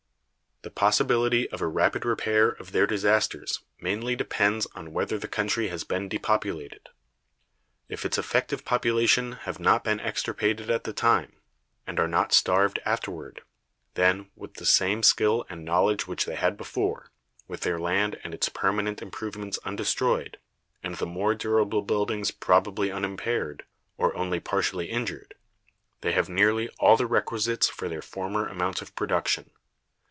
The possibility of a rapid repair of their disasters mainly depends on whether the country has been depopulated. If its effective population have not been extirpated at the time, and are not starved afterward, then, with the same skill and knowledge which they had before, with their land and its permanent improvements undestroyed, and the more durable buildings probably unimpaired, or only partially injured, they have nearly all the requisites for their former amount of production.